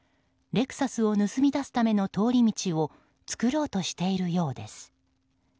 レクサスを盗み出すための通り道を作ろうとしているようです。